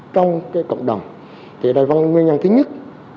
trong cái cộng đồng thì đại văn nguyên nhân thứ nhất